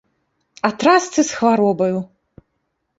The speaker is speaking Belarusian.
А трасцы з хваробаю!